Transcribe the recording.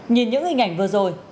nhìn những hình ảnh vừa rồi